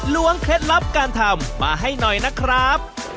ล้วเคล็ดลับการทำมาให้หน่อยนะครับ